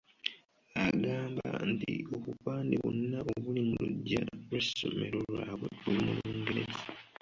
Agamba nti obupande bwonna obuli mu luggya lw'essomero lyabwe buli mu Lungereza.